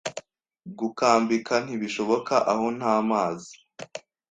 Gukambika ntibishoboka aho nta mazi